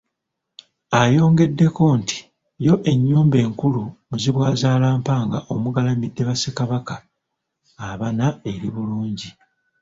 Ayongeddeko nti yo ennyumba enkulu Muzibwazaalampanga omugalamidde ba Ssekabaka abana eri bulungi.